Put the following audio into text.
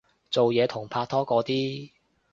做嘢同拍拖嗰啲